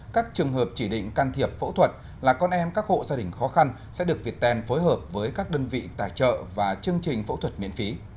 các trường hợp chỉ định can thiệp phẫu thuật là con em các hộ gia đình khó khăn sẽ được việt tèn phối hợp với các đơn vị tài trợ và chương trình phẫu thuật miễn phí